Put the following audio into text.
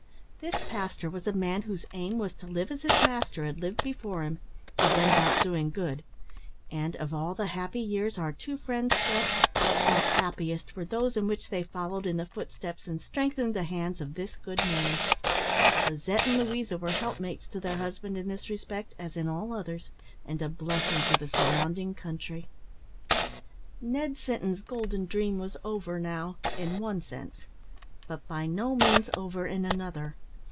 This pastor was a man whose aim was to live as his Master had lived before him he went about doing good and, of all the happy years our two friends spent, the happiest were those in which they followed in the footsteps and strengthened the hands of this good man, Lizette and Louisa were helpmates to their husbands in this respect, as in all others, and a blessing to the surrounding country. Ned Sinton's golden dream was over now, in one sense, but by no means over in another.